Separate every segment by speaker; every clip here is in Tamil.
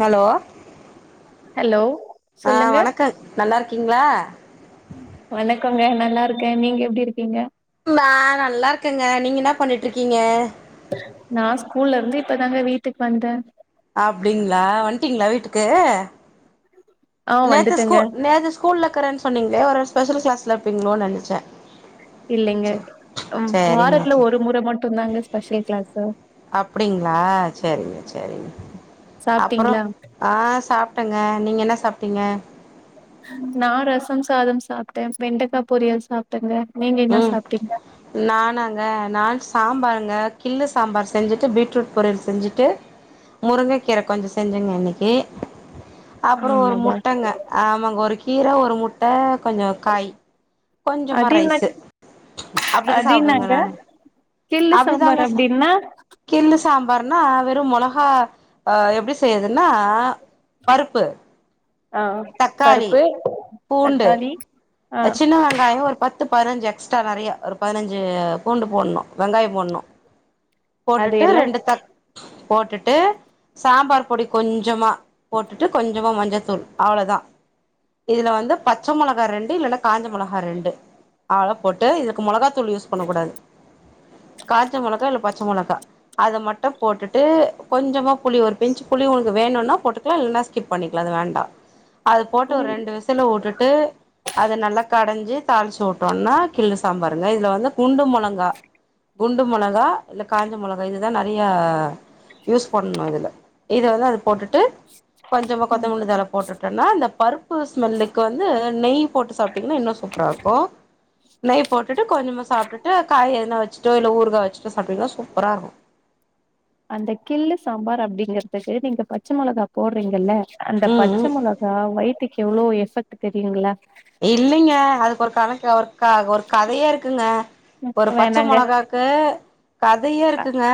Speaker 1: ஹலோ
Speaker 2: ஹலோ
Speaker 1: ஆஹ்
Speaker 2: சொல்லுங்க
Speaker 1: வணக்கங் நல்லா இருக்கீங்களா
Speaker 2: வணக்கோங்க நல்லா இருக்கே நீங்க எப்டி இருக்கீங்க
Speaker 1: நா நல்லா இருக்கங்க நீங்க ன்ன பண்ணிட்டுருக்கீங்க
Speaker 2: நா ஸ்கூல்லருந்து இப்பதாங்க வீட்டுக்கு வந்தே
Speaker 1: அப்டிங்களா வந்ட்டீங்ளா வீட்டுக்கு
Speaker 2: ஆ
Speaker 1: நேத்து ஸ்கூ
Speaker 2: வந்துட்டேங்க
Speaker 1: நேத்து ஸ்கூல்லகறேன்னு சொன்னீங்களே ஒரு வே ஸ்பெஷல் கிளாஸ்ல இருப்பீங்களோனு நெனச்சே
Speaker 2: இல்லைங்க
Speaker 1: செரி
Speaker 2: ம்
Speaker 1: செரிங்க
Speaker 2: வாரத்துல
Speaker 1: செரி
Speaker 2: ஒரு முறை மட்டும் தாங்க ஸ்பெஷல் கிளாஸு
Speaker 1: அப்டிங்களா சேரிங்க சேரிங்க அப்றோ
Speaker 2: சாப்ட்டீங்களா
Speaker 1: ஆ சாப்ட்டங்க நீங்க என்ன சாப்ட்டீங்க?
Speaker 2: நா ரசம் சாதம் சாப்ட்டே வெண்டக்கா பொரியல் சாப்ட்டேங்க நீங்க என்ன
Speaker 1: ம்
Speaker 2: சாப்ட்டீங்க?
Speaker 1: நானாங்க நான் சாம்பாருங்க கிள்ளு சாம்பார் செஞ்சுட்டு பீட்ரூட் பொரியல் செஞ்சுட்டு முருங்கைக்கீர கொஞ்சொ செஞ்சேங்க இன்னைக்கு அப்பறோ ஒரு
Speaker 2: ஆமாவா
Speaker 1: முட்டங்க ஆமாங்க ஒரு கீர ஒரு முட்ட கொஞ்சொ காய் கொஞ்சமா
Speaker 2: அதென்ன
Speaker 1: ரைஸு அப்டித்தா சாப்டுவங்க
Speaker 2: அதென்னங்க
Speaker 1: நானு
Speaker 2: கிள்ளு சாம்பார்
Speaker 1: அப்டிதாங்க சா
Speaker 2: அப்டின்னா
Speaker 1: கிள்ளு சாம்பார்னா வெறும் மொளகா அ எப்டி செய்றதுன்னா பருப்பு
Speaker 2: ஆ
Speaker 1: தக்காளி
Speaker 2: பருப்பு
Speaker 1: பூண்டு
Speaker 2: தக்காளி ஆ
Speaker 1: அ சின்ன வெங்காயொ ஒரு பத் து பதினஞ்சு எக்ஸ்ட்ரா நெறைய ஒரு பதினஞ்சு பூண்டு போணு வெங்காய போணு
Speaker 2: அது
Speaker 1: போட்டுட்டு
Speaker 2: எல்லா
Speaker 1: ரெண்டு தக் போட்டுட்டு சாம்பார் பொடி கொஞ்சமா போட்டுட்டு கொஞ்சமா மஞ்சத்தூள் அவ்ளோதா இதுல வந்து பச்ச மொளகா ரண்டு இல்லல காஞ்ச மொளகா ரண்டு அவள போட்டு இதுக்கு மொளகா தூள் யூஸ் பண்ண கூடாது காஞ்ச மொளகா இல்ல பச்ச மொளகா அத மட்டும் போட்டுட்டு கொஞ்சமா புளி ஒரு பிஞ்சு புளி உனக்கு வேணுனா போட்டு க்லா இல்லன்னா ஸ்கிப் பண்ணிக்கலா அது வேண்டா அது போட்டு ஒரு
Speaker 2: புளி
Speaker 1: ரெண்டு விசில வுட்டுட்டு அத நல்லா கடஞ்சு தாளிச்சு வுட்டோனா கிள்ளு சாம்பாருங்க இதுல வந்து குண்டு மொளங்கா குண்டு மொளகா இல்ல காஞ்ச மொளகா இதுதா நெறையா யூஸ் பண்ணணு இதுல இத வந்து அது போட்டுட்டு கொஞ்சமா
Speaker 2: ம்
Speaker 1: கொத்தமல்லி தழ போட்டுட்டன்னா அந்த பருப்பு ஸ்மெல்லுக்கு வந்து நெய் போட்டு சாப்ட்டீங்கன்னா இன்னு சூப்பரா இருக்கு நெய் போட்டுட்டு கொஞ்சமா சாப்ட்டுட்டு காய் எதுனா வச் சோ இல்ல ஊறுகா வச்சுட்டோ சாப்ட்டீங்கன்னா சூப்பரா இருக்கு
Speaker 2: அந்த கிள்ளு சாம்பார் அப்டிங்கிறதுக்கு நீங்க பச்ச மொளகா போடுறீங்கல்ல அந்த
Speaker 1: ம்
Speaker 2: பச்ச
Speaker 1: ம்
Speaker 2: மொள கா வயித்துக்கு எவ்ளோ எஃபெக்ட் தெரியுங்ளா
Speaker 1: இல்லைங்க அதுக்கு ஒரு கணக்கு ஒரு க ஒரு கதையே இருக்குங்க ஒரு பச்ச
Speaker 2: வேணாங்க
Speaker 1: மொளகாக்கு கதையே
Speaker 2: அ
Speaker 1: இருக்குங்க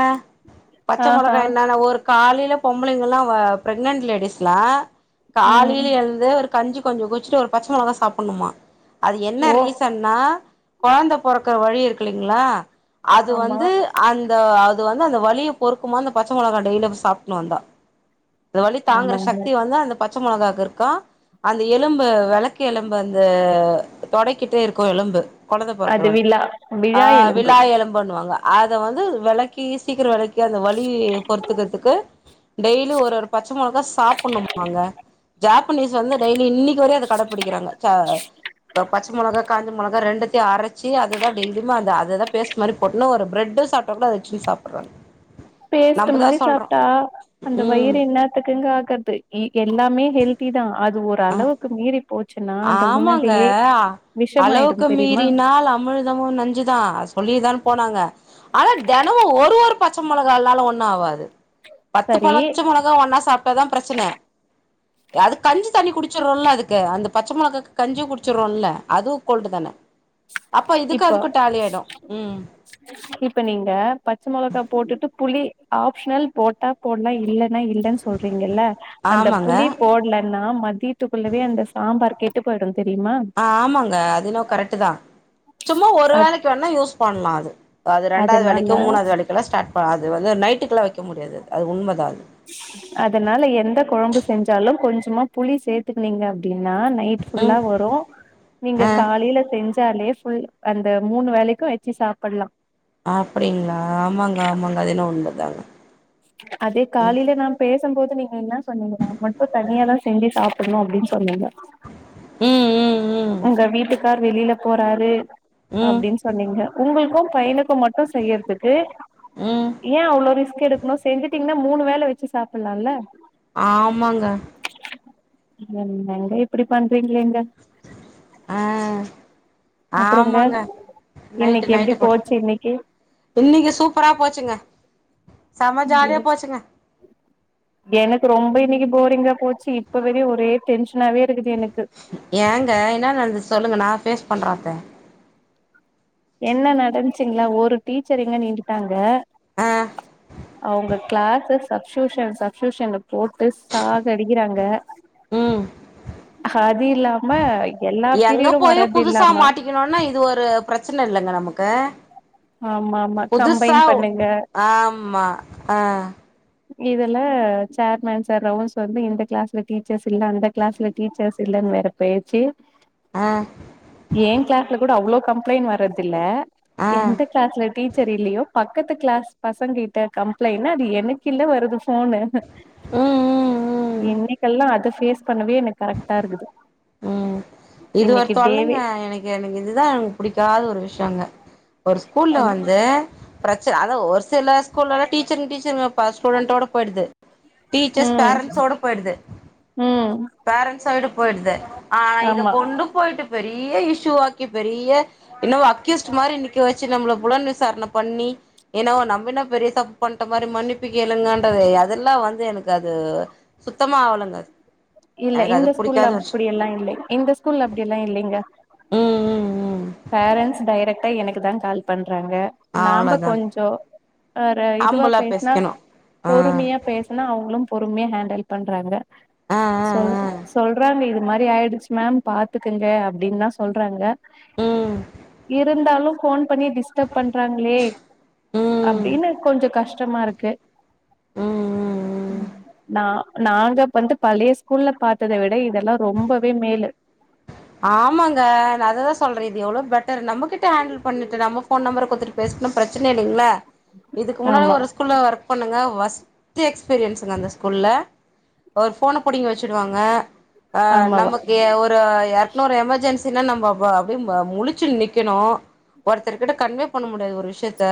Speaker 1: பச்ச
Speaker 2: ஆஹா
Speaker 1: மொளகா என்னான்னா ஒரு காலைல பொம்பளைங்கல்லா வ பிரெக்னன்ட் லேடிஸ்லா
Speaker 2: ம்
Speaker 1: காலைல எழுந்து ஒரு கஞ்சி கொஞ்ச குச்சுட்டு ஒரு பச்ச மொளகா சாப்பணுமா அது என்ன
Speaker 2: ஓ
Speaker 1: ரீசன் னா கொழந்த பொறக்குற வலி இருக்குல்லீங்ளா அது
Speaker 2: ஆமா
Speaker 1: வந்து அந்த அது வந்து அந்த வலிய பொறுக்குமா அந்த பச்ச மொளகா டெய்லி அப் சாப்ட்டுனு வந்தா அது வலி தாங்குற
Speaker 2: ஆமாங்க
Speaker 1: சக்தி வந்து அந்த பச்ச மொளகாக்கு இருக்கா அந்த எலும்பு வெளக்கு எலு ம்பு அந்த தொடைக்கிட்டே இருக்கு எலும்பு கொழந்த பொறக்குற
Speaker 2: அது
Speaker 1: வழி
Speaker 2: விழா
Speaker 1: ஆ
Speaker 2: விழா எலும்பு
Speaker 1: விளா எலும்புண்ணுவாங்க அத வந்து வெளக்கி சீக்கரோ வெளக்கி அந்த வலி பொறுத்துக்கிறதுக்கு டெய்லி ஒரு ஒரு பச்ச மொளகா சாப்டணும்பாங்க ஜாப்பனீஸ் வந்து டெய்லி இன்னிக்கு வரையு அத கட புடிக்கிறாங்க சா த பச்ச மொளகா காஞ்ச மொளகா ரெண்டத்தையு அரச்சு அததா டெய்லியுமே அந்த அததா பேஸ்ட் மாரி போட்டுணு ஒரு பிரெட்டு சாப்ட்டா கூட அத வச்சுடு சாப்புட்றாங்க
Speaker 2: பேஸ்ட்
Speaker 1: நம்பதா
Speaker 2: மாரி
Speaker 1: சொல்றோ
Speaker 2: சாப்ட்டா அந்த
Speaker 1: ம்
Speaker 2: வயிறு என்ன த்துக்குங்க ஆகுறது இ எல்லாமே ஹெல்த்திதா அது
Speaker 1: ஆ
Speaker 2: ஓரளவுக்கு மீறி போச்சுன்னா அந்த உணவே
Speaker 1: ஆமாங்க
Speaker 2: விஷமாயிடும்
Speaker 1: அளவுக்கு
Speaker 2: தெரியுமா
Speaker 1: மீறினால் அமிழ் தமு நஞ்சுதா அ சொல்லிதான போனாங்க ஆனா தெனமு ஒரு ஒரு பச்ச மொளகாலால ஒன் னு ஆவாது பத்து
Speaker 2: சரி
Speaker 1: பளச் மொள ஒன்னா சாப்ட்டாதா பிரச்சன அது கஞ்சி தண்ணி குடிச்சிரோல அதுக்கு அந்த பச்ச மொளகாக்கு கஞ்சி குடிச்சுரோல்ல அதுவு கோல்டு தான அப்ப இதுக்கு
Speaker 2: இப்போ
Speaker 1: அதுக்கு டேலி ஆயிடு ம்
Speaker 2: இப்ப நீங்க பச்ச மொளகா போட்டுட்டு புளி ஆப்ஷனல் போட்டா போடலா இல்லன்னா இல்ல சொல்றீங்கல்ல அந்த
Speaker 1: ஆமாங்க
Speaker 2: புளி போட்ல ன மதியத்துக்குள்ளவே அந்த சாம்பார் கெட்டு போயிடு தெரிமா
Speaker 1: ஆமாங்க அது என்னவோ கரெக்ட்டு தா சும்மா ஒரு
Speaker 2: அத்
Speaker 1: வேளைக்கி வேணா யூஸ் பண்லா அது அது ரெண்டாது
Speaker 2: அதனால
Speaker 1: வேலைக்கோ மூணாது வேலைக்கோலா ஸ்டார்ப அது வந்து நைட்டுக்கலா வக்க முடியாது அது உண்ம தா அது
Speaker 2: அதனால எந்த கொழம்பு செஞ்சாலும் கொஞ்சமா புளி சேத்துக்னீங்க அப்டின்னா நைட்
Speaker 1: ம்
Speaker 2: ஃபுல்லா வரு
Speaker 1: ஆ
Speaker 2: நீங்க காலைல செஞ்சாலே ஃபுல் அந்த மூணு வேலைக்கு வச்சு சாப்பட்லா
Speaker 1: அப்டிங்ளா ஆமாங்க ஆமாங்க அது என்னவோ உண்மதாங்க
Speaker 2: அதே காலையில நா பேசம்போது நீங்க என்ன சொன்னீங்க நா மட்டு தனியா தா செஞ்சு சாப் புடனு அப்டின்னு சொன்னீங்க
Speaker 1: ம் ம் ம்
Speaker 2: உங்க வீட்டுக்கார் வெளில போறாரு
Speaker 1: ம்
Speaker 2: அப்டின் சொன்னீங்க உங்ளுக்கு பையனுக்கு மட்டு செய்யறதுக்கு
Speaker 1: ம்
Speaker 2: ஏன் அவ்ளோ ரிஸ்க் எடுக்கணு செஞ்சுட்டு இன்னு மூணு வேல வச்சி சாப்பட்லால
Speaker 1: ஆமாங்க
Speaker 2: என்னங்க இப்டி பண்றீங்களேங்க
Speaker 1: ஆ
Speaker 2: அப்றோங்க
Speaker 1: ஆமாங்க நைட்டு
Speaker 2: இன்னைக்கு எப்டி
Speaker 1: நைட்டு போட்
Speaker 2: போச்சு இன்னைக்கு
Speaker 1: இன்னைக்கு சூப்பரா போச்சுங்க செம்ம ஜாலியா போச்சுங்க
Speaker 2: எனக்கு ரொம்ப இன்னைக்கு போரிங்கா போச்சு இப்ப வரையு ஒரே டென்ஷனாவே இருக்குது எனக்கு
Speaker 1: ஏங்க என்ன நடந்துச்சி சொல்லுங்க நா ஃபேஸ் பண்ற அத
Speaker 2: என்ன நடந்சுங்ளா ஒரு டீச்சர் இங்க நிண்டுடாங்க
Speaker 1: ஆ
Speaker 2: அவுங்க கிளாஸஸ் சப்டியூஷன் சப்டியூஷன் போட்டு சாகடிக்கிறாங்க
Speaker 1: ம்
Speaker 2: அது இல்லாமா எல்லா பீரியடும் வரதில்லாம
Speaker 1: இங்கிணோன இது ஒரு ப்ரெச்சன இல்லங்க நமக்கு
Speaker 2: ஆமா ஆமா கம்பைன்
Speaker 1: புதுசா
Speaker 2: பண்ணுங்க
Speaker 1: ஆமா ஆ
Speaker 2: இதுல சேர்மேன் சார் ரவுன்ஸ் வந்து இந்த கிளாஸ்ல டீச்சர்ஸ் இல்ல அந்த கிளாஸ்ல டீச்சர்ஸ் இல்லன் வேற பேச்சி
Speaker 1: ஆ
Speaker 2: ஏன் கிளாஸ்ல கூட அவ்ளோ கம்ப்ளைன் வரதில்ல
Speaker 1: ஆ
Speaker 2: எந்த கிளாஸ்ல டீச்சர் இல்லயோ பக்கத்து கிளாஸ் பசங் கிட்ட கம்ப்ளைன்னு அது எனக்கில்ல வருது ஃபோனு
Speaker 1: ம் ம் ம்
Speaker 2: இன்னைக்கல்லா அத பேஸ் பண்ணவே எனக் கரெக்டா இருக்குது
Speaker 1: ம் இது ஒரு
Speaker 2: இன்னைக்கு
Speaker 1: தொல்லைங்க
Speaker 2: டேவே
Speaker 1: எனக் எனக்கு இதுதான் புடிக்காத ஒரு விஷயங்க ஒரு ஸ்கூல்ல வந்து ப்ரெச்ச அதா ஒரு சில ஸ்கூல்லலா டீச்சருங்க டீச்சருங்க ப ஸ்டூடண்டோட பேயிடுது டீச்சர்ஸ்
Speaker 2: ம்
Speaker 1: பேரண்ஸ்சோட போயிடுது
Speaker 2: ம்
Speaker 1: பேரண்ஸ்ச விட போயிடுது ஆனா இத
Speaker 2: ஆமா
Speaker 1: கொண்டு போயிட்டு பெரிய இஷ்ஷூவாக்கி பெரிய என்னவோ அக்யூஸ்ட் மாரி நிக்க வச்சு நம்மள புலன் விசாரண பண்ணி என்னவோ நம்ப என்ன பெரிய தப்பு பண்ணிட்ட மாரி மன்னிப்பு கேளுங்கன்றது அதெல்லா வந்து எனக்கு அது சுத்தமா ஆவளங்க அது
Speaker 2: இல்ல இந்த ஸ்கூல்ல
Speaker 1: புடிக்காத விஷய
Speaker 2: அப்டியல்லா இல்ல இந்த ஸ்கூல்ல அப்டியல்லா இல்லங்க
Speaker 1: ம் ம் ம்
Speaker 2: பேரன்ட்ஸ் டைரெக்ட்டா எனக்கு தா கால் பண்றாங்க நாம்ப
Speaker 1: அவ்ளோதா
Speaker 2: கொஞ்சோ அர இதுவா
Speaker 1: ஹம்புளா
Speaker 2: பேசுனா
Speaker 1: பேசிக்கணு ஆ
Speaker 2: பொருமையா பேச னா அவங்களு பொருமையா ஹேண்டல் பண்றாங்க
Speaker 1: ஆ ஆ
Speaker 2: சொல்
Speaker 1: ஆ
Speaker 2: சொல்றாங்க இது மாரி ஆயிடுச்சு மேம் பாத்துக்குங்க அப்டின்தா சொல்றாங்க
Speaker 1: ம்
Speaker 2: இருந்தாலு ஃபோன் பண்ணி டிஸ்டப் பண்றாங்களே
Speaker 1: ம் ம்
Speaker 2: அப்டின்னு கொஞ்சோ கஷ்டமா இருக்கு ம் நா நாங்க வந்து பழைய ஸ்கூல்ல பாத்தத விட இதெல்லா ரொம்பவே மேலு
Speaker 1: ஆமாங்க நா அததா சொல்றே இது எவ்ளோ பெட்டர் நம்ம கிட்ட ஹேண்டில் பண்ணிட்டு நம்ம ஃபோன் நம்பர குடுத்துட்டு பேசுனா ப்ரெச்சன இல்லங்களா இதுக்கு முன்னால
Speaker 2: ஆமா
Speaker 1: ஒரு ஸ்கூல ஒர்க் பண்ணுங்க ஒஸ்ட்டு எக்ஸ்பீரியன்சுங்க அந்த ஸ்கூல்ல ஒரு ஃபோன புடிங்கி வச்சுடுவாங்க ஆ
Speaker 2: ஆமாவா
Speaker 1: நமக்கு ஒரு யார் என்ன ஒரு எமெர்ஜென்சினா நம்ம ப அப்டியே ப முழிச்சின்னு நிக்கணு ஒருத்தர் கிட்ட கன்வே பண்ண முடியாது ஒரு விஷ்யத்த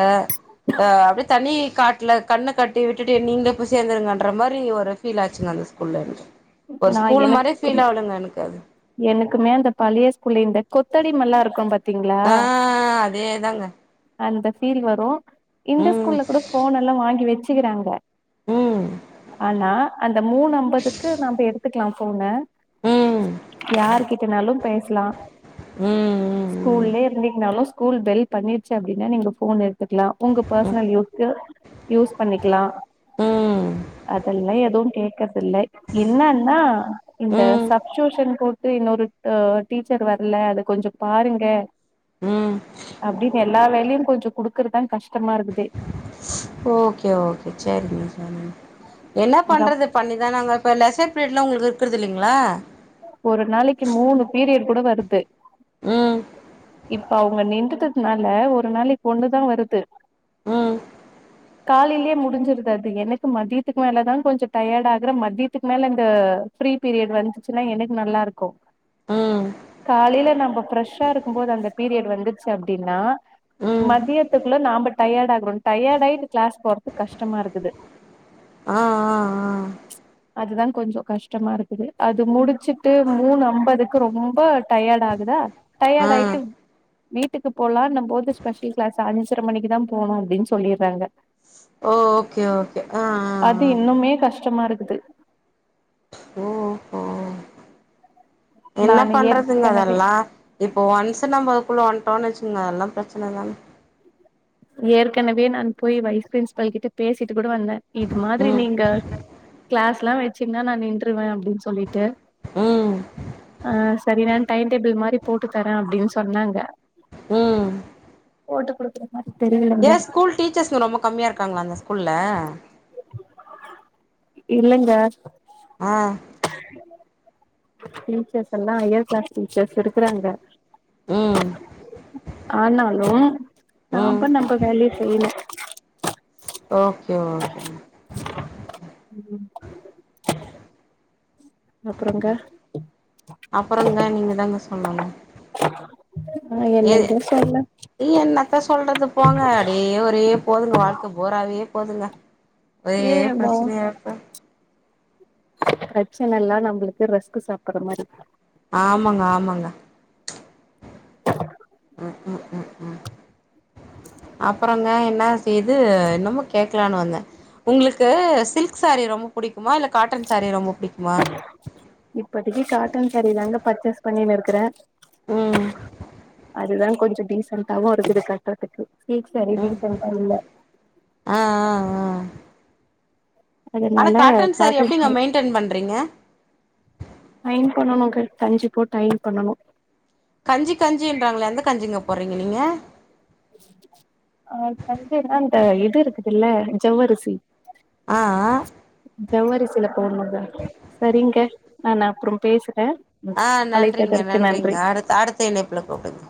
Speaker 1: ஆ அப்டியே தனி காட்ல கண்ண கட்டி விட்டுட்டு நீங்களே போய் சேர்ந்துருங்கன்ற மாரி ஒரு ஃபீல் ஆச்சுங்க அந்த ஸ்கூல்ல இருந்து ஒரு
Speaker 2: நா
Speaker 1: ஸ்கூல் மாரியே
Speaker 2: எனக்கு
Speaker 1: ஃபீல் ஆவளங்க எனக்கு அது
Speaker 2: எனக்குமே அந்த பழைய ஸ்கூல்ல இந்த கொத்தடிமல்லா இருக்கும் பாத் தீங்களா
Speaker 1: ஆ அதேதாங்க
Speaker 2: அந்த ஃபீல் வரு இந்த
Speaker 1: ம்
Speaker 2: ஸ்கூல்ல கூட ஃபோன் எல்லா வாங்கி வச்சுக்கிறாங்க
Speaker 1: ம்
Speaker 2: ஆனா அந்த மூணு ஐம்பதுக்கு நம்ப எடுத்துக்கலா ஃபோன
Speaker 1: ம்
Speaker 2: யாரு கிட்டனாலு பேசலா
Speaker 1: ம் ம்
Speaker 2: ஸ்கூல்லயே இருந்து னாலு ஸ்கூல் பெல் பண்ணிருச்சு அப்டின்னா நீங்க ஃபோன் எடுத்துக்கலா உங்க பர்சனல் யூஸ்க்கு யூஸ் பண்ணிக்கலா
Speaker 1: ம்
Speaker 2: அதெல்லா எதுவு கேக்கறதில்லை என்னன்னா இந்த
Speaker 1: ம்
Speaker 2: சப்டியுஷன் போட் டு இன்னொரு ட டீச்சர் வரல அத கொஞ்சோ பாருங்க
Speaker 1: ம்
Speaker 2: அப்டின்னு எல்லா வேலையு கொஞ்சோ குடுக்குறதா கஷ்டமா இருக்குது
Speaker 1: ஓகே ஓகே சரிங்க சரிங்க என்ன பண்றது பண்ணிதானங்க இப்ப லெசர் பீரியட்லா உங்களுக்கு இருக்றது இல்லைங்களா
Speaker 2: ஒரு நாளைக்கி மூணு பீரியட் கூட வருது
Speaker 1: ம்
Speaker 2: இப்ப அவங்க நின்டதுக்கு பின்னால ஒரு நாளைக்கி ஒன்னுதா வருது
Speaker 1: ம்
Speaker 2: காலேலயே முடிஞ்சிருது அது எனக்கு மதியத்துக்கு மேலதா கொஞ்சோ டயர்ட் ஆகுற மதியத்துக்கு மேல அந்த ஃப்ரீ பீரியட் வந்துச்சுன்னா எனக்கு நல்லா இருக்கு
Speaker 1: ம்
Speaker 2: காலேல நம்ம ஃப்ரெஷ் ஷா இருக்கும்போது அந்த பீரியட் வந்துருச்சு அப்டின்னா
Speaker 1: ம்
Speaker 2: மதியத்துக்குள்ள நாம டயர்ட் ஆகறோ டயர்ட் ஆயிட்டு கிளாஸ் போறதுக்கு கஷ்டமா இருக்குது
Speaker 1: ஆ ஆ ஆ
Speaker 2: அதுதான் கொஞ்சோ கஷ்டமா இருக்குது. அது முடிச்சுட்டு மூணு அம்பதுக்கு ரொம்ப டயாடு ஆகுதா.
Speaker 1: ஆ ஆ
Speaker 2: டயாடு ஆய்ட்டுப் வீட்டுக்கு போலான்னம் போது ஸ்பெஷல் கிளாஸ் அஞ்சரை மணிக்கு தா போணு அப்டின் சொல்லிர்றாங்க.
Speaker 1: ஓகே ஓகே ஆ ஆ
Speaker 2: அது
Speaker 1: ஆ
Speaker 2: இன்னுமே கஷ்டமா இருக்குது.
Speaker 1: ஓஹோ. என்ன
Speaker 2: நான்
Speaker 1: பண்றதுங்க
Speaker 2: ஏற்கனவே
Speaker 1: அதெல்லா இப்போ ஒன்ஸு நம்ப அதுக்குள்ள வந்ட்டோன் வெச்சுக்ங்க அதெல்லா பிரச்னதாங்.
Speaker 2: ஏற்கெனவே நான் போய் வைஸ் பிரின்ஸ்பல் கிட்ட பேசிட்டு கூட வந்தே இது மாதிரி
Speaker 1: ம்
Speaker 2: நீங்க கிளாஸ்லா வெச்சிங்ன்னா நா நின்ட்ருவே அப்டின் சொல்லீட்டு.
Speaker 1: ம்
Speaker 2: ஆ செரி நான் டைன் டேபிள் மாரி போட்டு தரே அப்டின் சொன்னாங்க.
Speaker 1: ம்.
Speaker 2: போட்டு குடுக்குறே. அ தெரியில்ல.
Speaker 1: ஏ ஸ்கூல் டீச்சர்ஸ் ரொம்ப கம்மியா இருக்காங்களா அந்த ஸ்கூல்ல?
Speaker 2: இல்லங்க.
Speaker 1: அ.
Speaker 2: டீச்சர்ஸ் எல்லா ஹையர் கிளாஸ் டீச்சர்ஸ் எடுக்கறாங்க.
Speaker 1: ம்.
Speaker 2: ஆனாலு
Speaker 1: ம்
Speaker 2: நாம்ப நம்ப வேலைய செய்யணு.
Speaker 1: ஓகே ஓகேங்.
Speaker 2: ம். அப்புறங்கா?
Speaker 1: அப்புறங்க நீங்க தாங்க சொல்லணு.
Speaker 2: ஆ
Speaker 1: ஏ
Speaker 2: என்னங்க சொல்ல
Speaker 1: இ என்னத்த சொல்றது போங்க அப்டே ஒரே போதுங்க வாழ்க்க போராவே போதுங்க. ஒரே
Speaker 2: ஏ வா
Speaker 1: பிரச்சினையார்க்கு.
Speaker 2: பிரச்சன எல்லா நம்புளுக்கு ரஸ்கு சாப்பற மாரி.
Speaker 1: ஆமங்க ஆமங்க. ம் ம் ம் ம் அப்புற ங்க என்னாஸ் இது என்னமோ கேக்கலானு வந்தே. உங்குளுக்கு சில்க் சாரீ ரொம்ப புடிக்குமா இல்ல காட்டன் சாரீ ரொம்ப புடிக்குமா?
Speaker 2: இப்பதிக்கி காட்டன் சாரிதாங்க பர்ச்சேஸ் பண்ணினு இருக்கறே.
Speaker 1: ம்.
Speaker 2: அதுதா கொஞ்சோ டீசென்டாவு இருக்குது கட்டறதுக்கு சில்க் சாரி டீசன்டா இல்ல.
Speaker 1: அ அ அ ஆனா
Speaker 2: அதனால
Speaker 1: காட்டன் சாரி எப்டிங்க
Speaker 2: சாரீ
Speaker 1: மெயி ண்டன் பண்றீங்க?
Speaker 2: அயன் பண்ணணுங்க கஞ்சி போட்டு அயன் பண்ணணு.
Speaker 1: கஞ்சி கஞ்சின்றாங்களே எந்த கஞ்சிங்க போர்றீங்க நீங்க?
Speaker 2: அ கஞ்சினா இந்த இது இருக்குதுல்ல ஜவ்வரிசி.
Speaker 1: அ அ.
Speaker 2: ஜவ்வரிசில போட்ணுங்க. சரிங்க நானு அப்புறம் பேசுறே. ம்
Speaker 1: ஆ நன்றிங்க
Speaker 2: அழைத்ததற்கு
Speaker 1: நன்றிங்க
Speaker 2: நன்றி.
Speaker 1: அடுத்த இணைப்புல கூப்டுங்க.